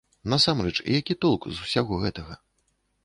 Насамрэч, які толк з усяго гэтага?